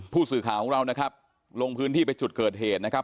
ผู้สื่อข่าวของเรานะครับลงพื้นที่ไปจุดเกิดเหตุนะครับ